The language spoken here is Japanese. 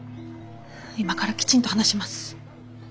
今からきちんと話します。